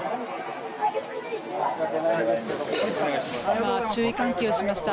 今、注意喚起をしました。